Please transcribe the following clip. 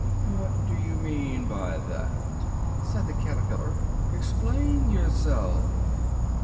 "What do you mean by that?" said the caterpillar, "explain yourself!"